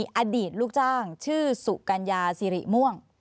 อดีตลูกจ้างชื่อสุกัญญาสิริม่วง